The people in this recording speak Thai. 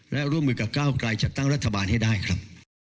และร่วมมือกับก้าวกลายจัดตั้งรัฐบาลให้ได้ครับ